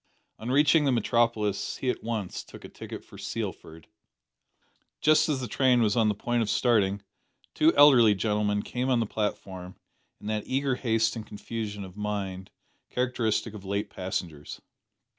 On reaching the metropolis he at once took a ticket for Sealford. Just as the train was on the point of starting, two elderly gentlemen came on the platform, in that eager haste and confusion of mind characteristic of late passengers.